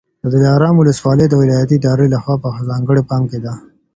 د دلارام ولسوالي د ولایتي ادارې لخوا په ځانګړي پام کي ده.